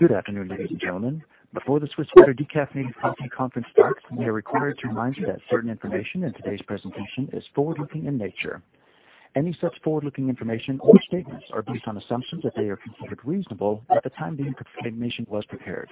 Good afternoon, ladies and gentlemen. Before the Swiss Water Decaffeinated Coffee conference starts, we are required to remind you that certain information in today's presentation is forward-looking in nature. Any such forward-looking information or statements are based on assumptions that they are considered reasonable at the time the information was prepared.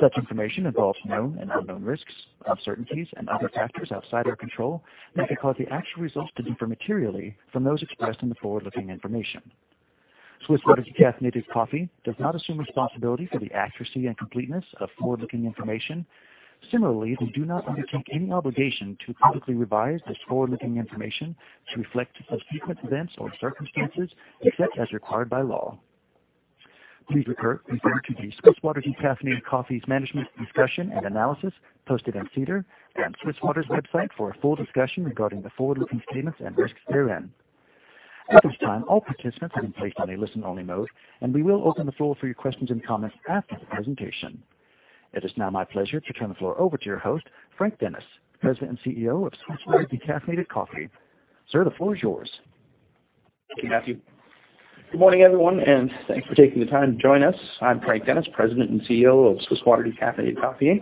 Such information involves known and unknown risks, uncertainties, and other factors outside our control that could cause the actual results to differ materially from those expressed in the forward-looking information. Swiss Water Decaffeinated Coffee does not assume responsibility for the accuracy and completeness of forward-looking information. Similarly, they do not undertake any obligation to publicly revise this forward-looking information to reflect subsequent events or circumstances, except as required by law. Please refer, in addition to the Swiss Water Decaffeinated Coffee's Management Discussion and Analysis posted on SEDAR and Swiss Water's website for a full discussion regarding the forward-looking statements and risks therein. At this time, all participants have been placed on a listen-only mode, and we will open the floor for your questions and comments after the presentation. It is now my pleasure to turn the floor over to your host, Frank Dennis, President and CEO of Swiss Water Decaffeinated Coffee. Sir, the floor is yours. Thank you, Matthew. Good morning, everyone, and thanks for taking the time to join us. I'm Frank Dennis, President and CEO of Swiss Water Decaffeinated Coffee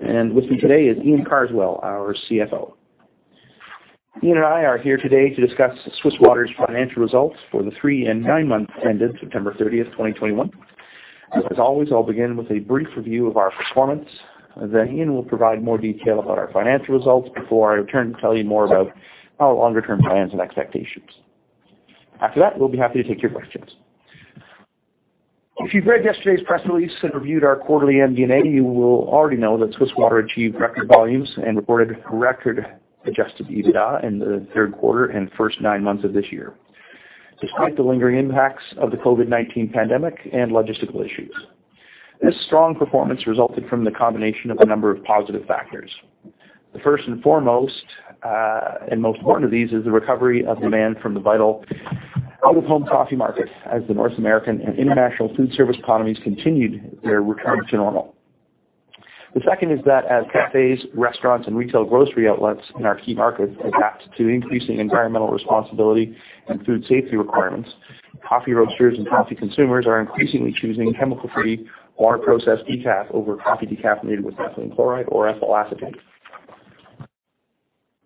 Inc. With me today is Iain Carswell, our CFO. Ian and I are here today to discuss Swiss Water's financial results for the three and nine months ended September 30, 2021. As always, I'll begin with a brief review of our performance. Ian will provide more detail about our financial results before I return to tell you more about our longer-term plans and expectations. After that, we'll be happy to take your questions. If you've read yesterday's press release and reviewed our quarterly MD&A, you will already know that Swiss Water achieved record volumes and reported record adjusted EBITDA in the third quarter and first nine months of this year, despite the lingering impacts of the COVID-19 pandemic and logistical issues. This strong performance resulted from the combination of a number of positive factors. The first and foremost, and most important of these is the recovery of demand from the vital out-of-home coffee market as the North American and international food service economies continued their return to normal. The second is that as cafes, restaurants, and retail grocery outlets in our key markets adapt to increasing environmental responsibility and food safety requirements, coffee roasters and coffee consumers are increasingly choosing chemical-free or processed decaf over coffee decaffeinated with methylene chloride or ethyl acetate.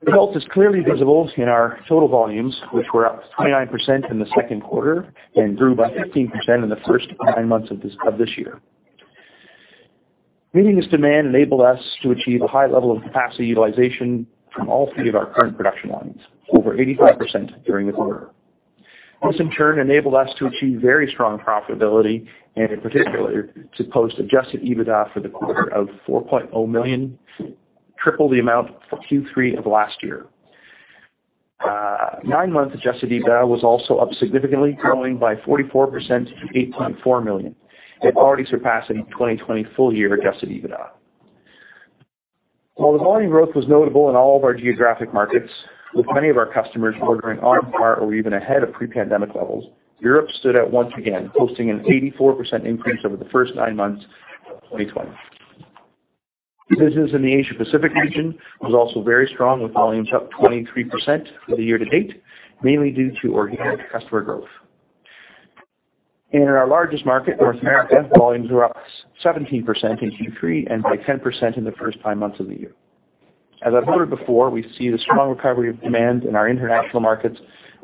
The result is clearly visible in our total volumes, which were up 29% in the second quarter and grew by 15% in the first nine months of this year. Meeting this demand enabled us to achieve a high level of capacity utilization from all three of our current production lines, over 85% during the quarter. This, in turn, enabled us to achieve very strong profitability, and in particular, to post adjusted EBITDA for the quarter of 4.0 million, triple the amount for Q3 of last year. Nine-month adjusted EBITDA was also up significantly, growing by 44% to 8.4 million. We've already surpassed the 2020 full year adjusted EBITDA. While the volume growth was notable in all of our geographic markets, with many of our customers ordering on par or even ahead of pre-pandemic levels, Europe stood out once again, posting an 84% increase over the first nine months of 2020. Business in the Asia Pacific region was also very strong, with volumes up 23% for the year to date, mainly due to organic customer growth. In our largest market, North America, volumes were up 17% in Q3 and by 10% in the first nine months of the year. As I've noted before, we see the strong recovery of demand in our international markets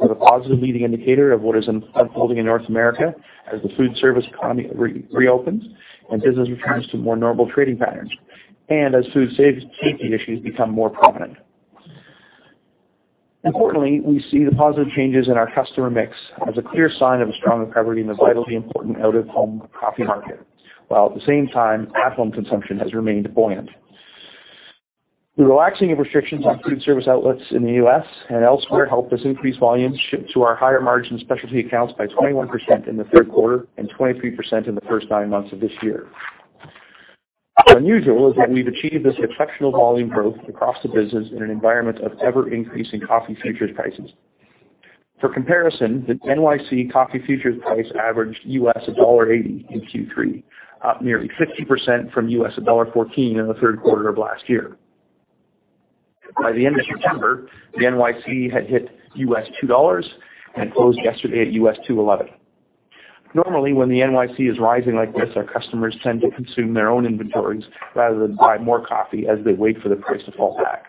as a positive leading indicator of what is unfolding in North America as the food service economy reopens and business returns to more normal trading patterns and as food safety issues become more prominent. Importantly, we see the positive changes in our customer mix as a clear sign of a strong recovery in the vitally important out-of-home coffee market, while at the same time, at-home consumption has remained buoyant. The relaxing of restrictions on food service outlets in the U.S. and elsewhere helped us increase volumes shipped to our higher margin specialty accounts by 21% in the third quarter and 23% in the first nine months of this year. What's unusual is that we've achieved this exceptional volume growth across the business in an environment of ever-increasing coffee futures prices. For comparison, the NYC coffee futures price averaged $1.80 In Q3, up nearly 50% from $1.14 in the third quarter of last year. By the end of September, the NYC had hit $2 and closed yesterday at $2.11. Normally, when the NYC is rising like this, our customers tend to consume their own inventories rather than buy more coffee as they wait for the price to fall back.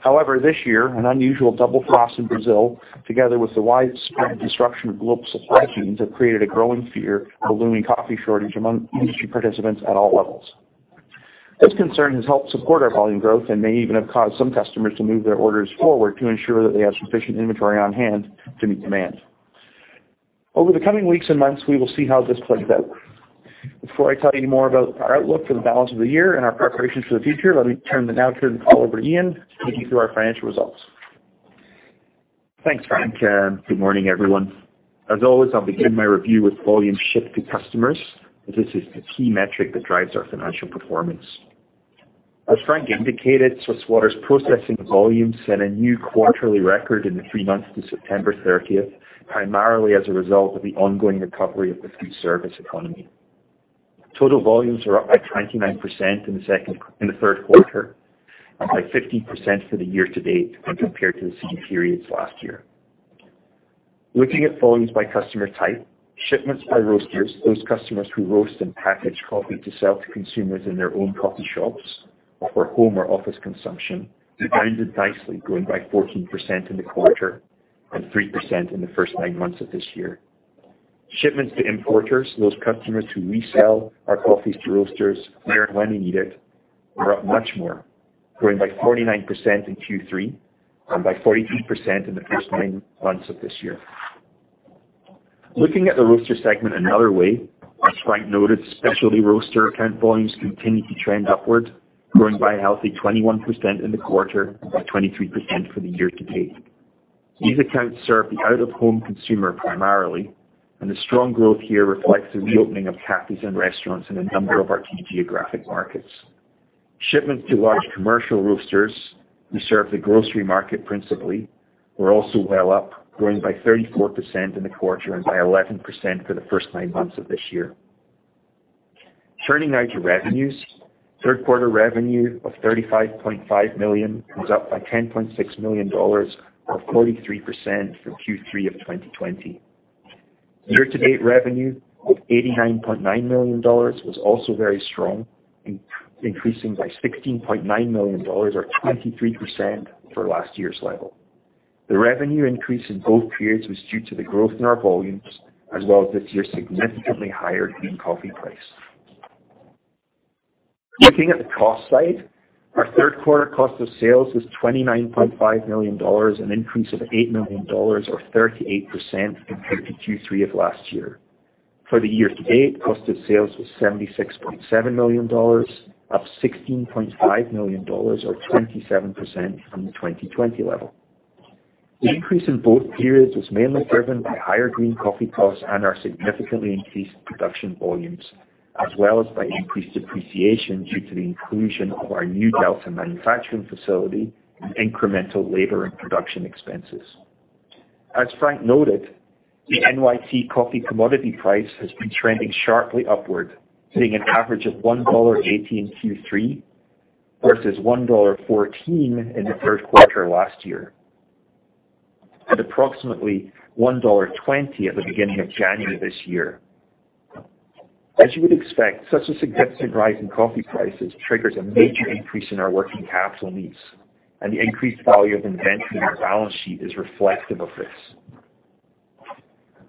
However, this year, an unusual double frost in Brazil, together with the widespread disruption of global supply chains, have created a growing fear of a looming coffee shortage among industry participants at all levels. This concern has helped support our volume growth and may even have caused some customers to move their orders forward to ensure that they have sufficient inventory on hand to meet demand. Over the coming weeks and months, we will see how this plays out. Before I tell you more about our outlook for the balance of the year and our preparations for the future, let me now turn the call over to Ian to take you through our financial results. Thanks, Frank. Good morning, everyone. As always, I'll begin my review with volume shipped to customers, as this is the key metric that drives our financial performance. As Frank indicated, Swiss Water's processing volume set a new quarterly record in the three months to September thirtieth, primarily as a result of the ongoing recovery of the food service economy. Total volumes are up by 29% in the third quarter, and by 15% for the year to date when compared to the same periods last year. Looking at volumes by customer type, shipments by roasters, those customers who roast and package coffee to sell to consumers in their own coffee shops or for home or office consumption, did rounded nicely, growing by 14% in the quarter and 3% in the first nine months of this year. Shipments to importers, those customers who resell our coffees to roasters where and when they need it, were up much more, growing by 49% in Q3 and by 43% in the first nine months of this year. Looking at the roaster segment another way, as Frank noted, specialty roaster account volumes continue to trend upward, growing by a healthy 21% in the quarter and by 23% for the year to date. These accounts serve the out-of-home consumer primarily, and the strong growth here reflects the reopening of cafes and restaurants in a number of our key geographic markets. Shipments to large commercial roasters who serve the grocery market principally, were also well up, growing by 34% in the quarter and by 11% for the first nine months of this year. Turning now to revenues. Third quarter revenue of 35.5 million was up by 10.6 million dollars or 43% from Q3 of 2020. Year-to-date revenue of 89.9 million dollars was also very strong, increasing by 16.9 million dollars or 23% from last year's level. The revenue increase in both periods was due to the growth in our volumes as well as this year's significantly higher green coffee price. Looking at the cost side, our third quarter cost of sales was 29.5 million dollars, an increase of 8 million dollars or 38% compared to Q3 of last year. For the year-to-date, cost of sales was CAD 76.7 million, up CAD 16.5 million or 27% from the 2020 level. The increase in both periods was mainly driven by higher green coffee costs and our significantly increased production volumes, as well as by increased depreciation due to the inclusion of our new Delta manufacturing facility and incremental labor and production expenses. As Frank noted, the NYC coffee commodity price has been trending sharply upward, seeing an average of $1.80 in Q3 versus $1.14 in the third quarter last year, at approximately $1.20 at the beginning of January this year. As you would expect, such a significant rise in coffee prices triggers a major increase in our working capital needs, and the increased value of inventory on our balance sheet is reflective of this.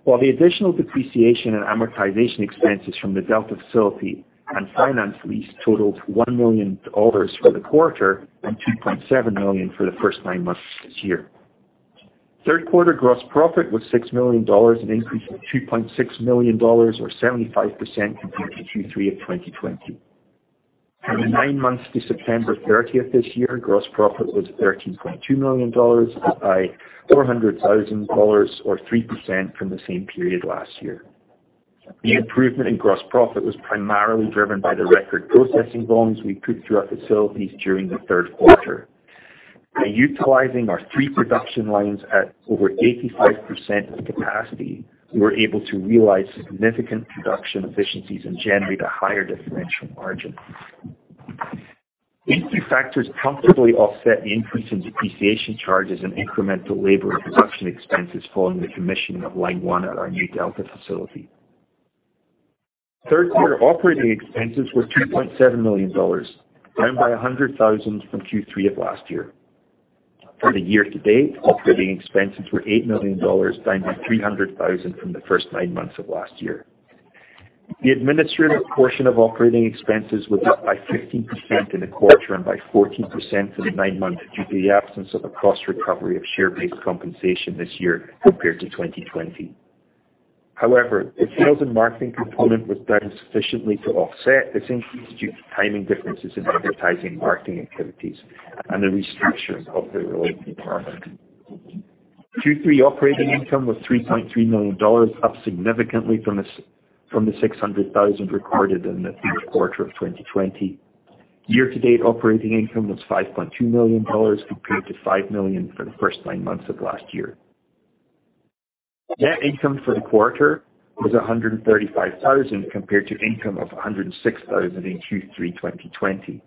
While the additional depreciation and amortization expenses from the Delta facility and finance lease totaled 1 million dollars for the quarter and 2.7 million for the first nine months of this year. Third quarter gross profit was 6 million dollars, an increase of 2.6 million dollars or 75% compared to Q3 of 2020. For the nine months to September 30 this year, gross profit was 13.2 million dollars, up by 400,000 dollars or 3% from the same period last year. The improvement in gross profit was primarily driven by the record processing volumes we put through our facilities during the third quarter. By utilizing our three production lines at over 85% of capacity, we were able to realize significant production efficiencies and generate a higher differential margin. These two factors comfortably offset the increase in depreciation charges and incremental labor and production expenses following the commissioning of line one at our new Delta facility. Third quarter operating expenses were 2.7 million dollars, down by 100,000 from Q3 of last year. For the year to date, operating expenses were 8 million dollars, down by 300,000 from the first nine months of last year. The administrative portion of operating expenses was up by 15% in the quarter and by 14% for the nine months due to the absence of a cost recovery of share-based compensation this year compared to 2020. However, the sales and marketing component was down sufficiently to offset this increase due to timing differences in advertising and marketing activities and the restructuring of the relevant department. Q3 operating income was 3.3 million dollars, up significantly from 600 thousand recorded in the third quarter of 2020. Year-to-date operating income was 5.2 million dollars, compared to 5 million for the first nine months of last year. Net income for the quarter was 135 thousand, compared to income of 106 thousand in Q3 2020.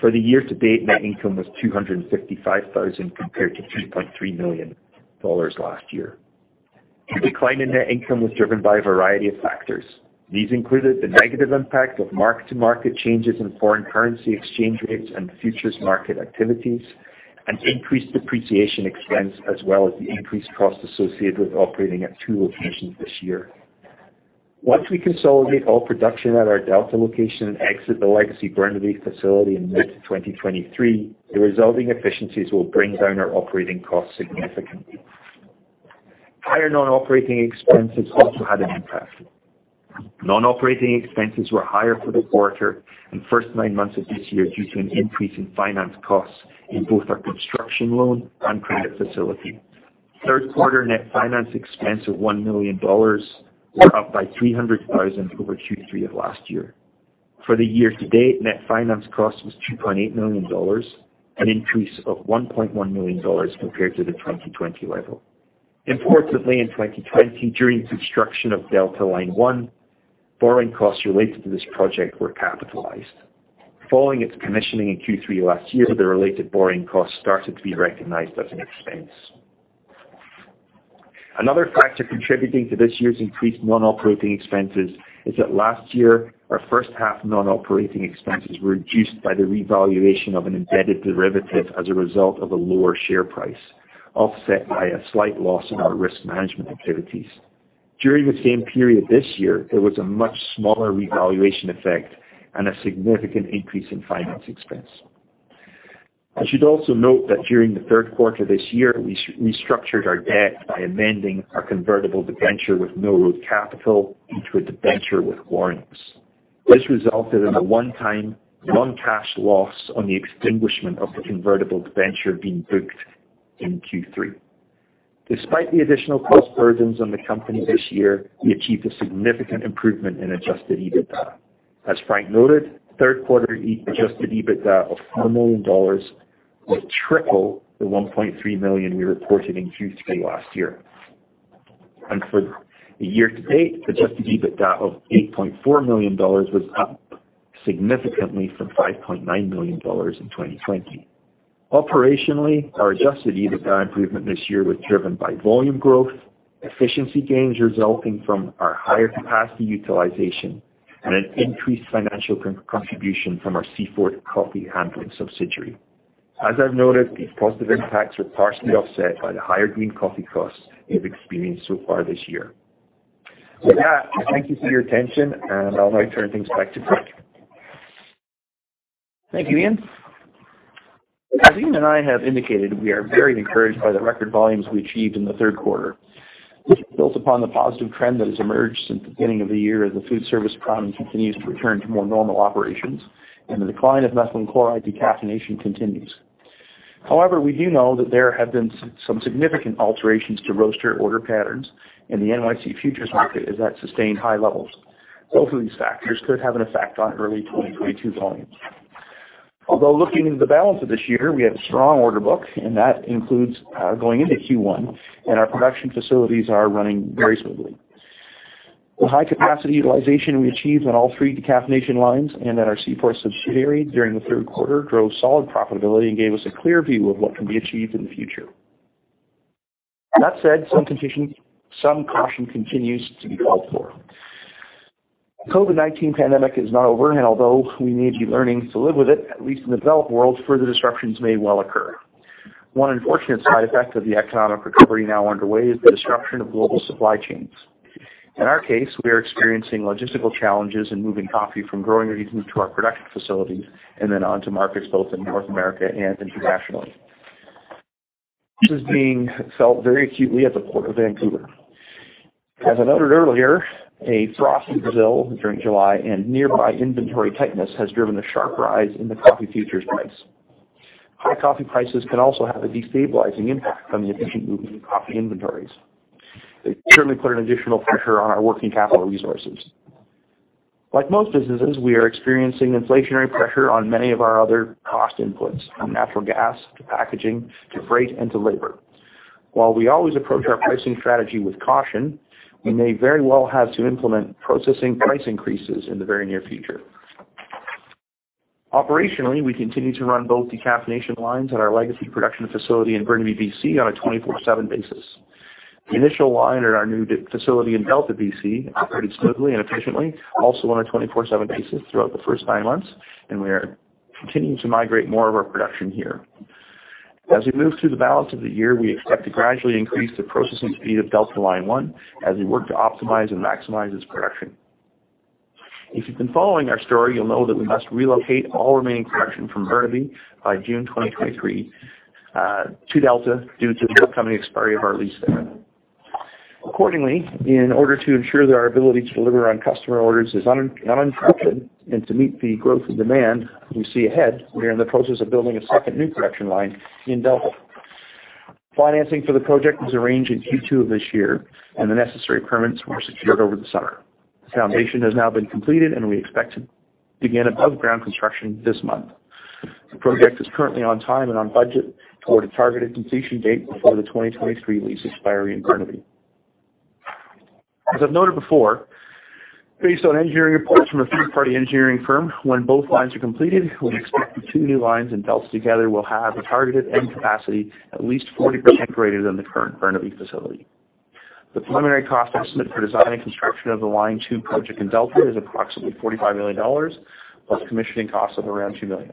For the year-to-date, net income was 255 thousand, compared to 2.3 million dollars last year. The decline in net income was driven by a variety of factors. These included the negative impact of mark-to-market changes in foreign currency exchange rates and futures market activities, and increased depreciation expense, as well as the increased cost associated with operating at two locations this year. Once we consolidate all production at our Delta location and exit the legacy Burnaby facility in mid-2023, the resulting efficiencies will bring down our operating costs significantly. Higher non-operating expenses also had an impact. Non-operating expenses were higher for the quarter and first nine months of this year due to an increase in finance costs in both our construction loan and credit facility. Third quarter net finance expense of 1 million dollars were up by 300,000 over Q3 of last year. For the year to date, net finance cost was 2.8 million dollars, an increase of 1.1 million dollars compared to the 2020 level. Importantly, in 2020, during construction of Delta line one, borrowing costs related to this project were capitalized. Following its commissioning in Q3 last year, the related borrowing costs started to be recognized as an expense. Another factor contributing to this year's increased non-operating expenses is that last year our first half non-operating expenses were reduced by the revaluation of an embedded derivative as a result of a lower share price, offset by a slight loss in our risk management activities. During the same period this year, there was a much smaller revaluation effect and a significant increase in finance expense. I should also note that during the third quarter this year, we restructured our debt by amending our convertible debenture with Mill Road Capital into a debenture with warrants. This resulted in a one-time non-cash loss on the extinguishment of the convertible debenture being booked in Q3. Despite the additional cost burdens on the company this year, we achieved a significant improvement in adjusted EBITDA. As Frank noted, third quarter adjusted EBITDA of 4 million dollars was triple the 1.3 million we reported in Q3 last year. For the year to date, adjusted EBITDA of 8.4 million dollars was up significantly from 5.9 million dollars in 2020. Operationally, our adjusted EBITDA improvement this year was driven by volume growth, efficiency gains resulting from our higher capacity utilization, and an increased financial contribution from our Seaforth coffee handling subsidiary. As I've noted, these positive impacts were partially offset by the higher green coffee costs we have experienced so far this year. With that, I thank you for your attention, and I'll now turn things back to Frank. Thank you, Ian. As Ian and I have indicated, we are very encouraged by the record volumes we achieved in the third quarter, which built upon the positive trend that has emerged since the beginning of the year as the food service economy continues to return to more normal operations and the decline of methylene chloride decaffeination continues. However, we do know that there have been some significant alterations to roaster order patterns, and the NYC futures market is at sustained high levels. Both of these factors could have an effect on early 2022 volumes. Although looking into the balance of this year, we have a strong order book, and that includes going into Q1, and our production facilities are running very smoothly. The high capacity utilization we achieved on all three decaffeination lines and at our Seaforth subsidiary during the third quarter drove solid profitability and gave us a clear view of what can be achieved in the future. That said, some caution continues to be called for. The COVID-19 pandemic is not over, and although we may be learning to live with it, at least in the developed world, further disruptions may well occur. One unfortunate side effect of the economic recovery now underway is the disruption of global supply chains. In our case, we are experiencing logistical challenges in moving coffee from growing regions to our production facilities and then on to markets both in North America and internationally. This is being felt very acutely at the Port of Vancouver. As I noted earlier, a frost in Brazil during July and nearby inventory tightness has driven a sharp rise in the coffee futures price. High coffee prices can also have a destabilizing impact on the efficient movement of coffee inventories. They certainly put an additional pressure on our working capital resources. Like most businesses, we are experiencing inflationary pressure on many of our other cost inputs, from natural gas to packaging to freight and to labor. While we always approach our pricing strategy with caution, we may very well have to implement processing price increases in the very near future. Operationally, we continue to run both decaffeination lines at our legacy production facility in Burnaby, B.C. on a 24/7 basis. The initial line at our new facility in Delta, BC operated smoothly and efficiently, also on a 24/7 basis throughout the first nine months, and we are continuing to migrate more of our production here. As we move through the balance of the year, we expect to gradually increase the processing speed of Delta line one as we work to optimize and maximize its production. If you've been following our story, you'll know that we must relocate all remaining production from Burnaby by June 2023 to Delta due to the upcoming expiry of our lease there. Accordingly, in order to ensure that our ability to deliver on customer orders is unencumbered and to meet the growth and demand we see ahead, we are in the process of building a second new production line in Delta. Financing for the project was arranged in Q2 of this year, and the necessary permits were secured over the summer. The foundation has now been completed, and we expect to begin above ground construction this month. The project is currently on time and on budget toward a targeted completion date before the 2023 lease expiry in Burnaby. As I've noted before, based on engineering reports from a third-party engineering firm, when both lines are completed, we expect the two new lines in Delta together will have a targeted end capacity at least 40% greater than the current Burnaby facility. The preliminary cost estimate for design and construction of the line two project in Delta is approximately 45 million dollars, plus commissioning costs of around 2 million.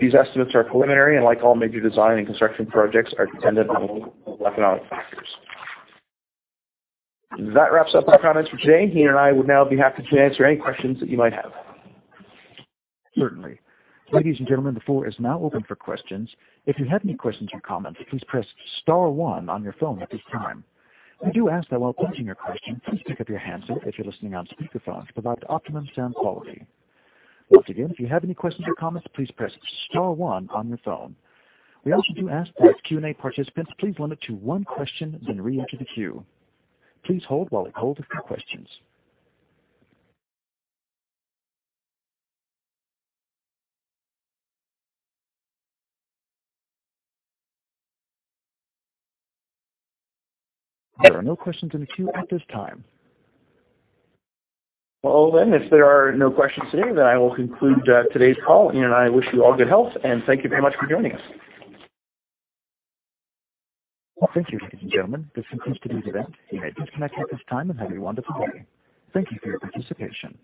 These estimates are preliminary and, like all major design and construction projects, are dependent on economic factors. That wraps up our comments for today. Ian and I would now be happy to answer any questions that you might have. Certainly. Ladies and gentlemen, the floor is now open for questions. If you have any questions or comments, please press star one on your phone at this time. We do ask that while posing your question, please pick up your handset if you're listening on speakerphone to provide optimum sound quality. Once again, if you have any questions or comments, please press star one on your phone. We also do ask that Q&A participants please limit to one question, then reenter the queue. Please hold while I pull the first questions. There are no questions in the queue at this time. Well, if there are no questions today, then I will conclude today's call, and I wish you all good health, and thank you very much for joining us. Well, thank you, ladies and gentlemen. This concludes today's event. You may disconnect at this time, and have a wonderful day. Thank you for your participation.